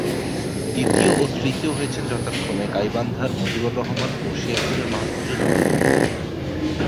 দ্বিতীয় ও তৃতীয় হয়েছেন যথাক্রমে গাইবান্ধার মজিবর রহমান ও শেরপুরের মাহফুজুর রহমান।